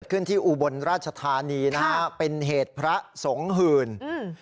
ขึ้นที่อุบลราชธานีนะฮะเป็นเหตุพระสงฆ์หื่นอืม